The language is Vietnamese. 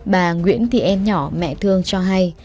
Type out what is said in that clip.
bà nguyễn thì em nhỏ mẹ thương cho hay